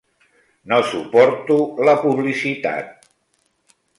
No suporto la publicitat.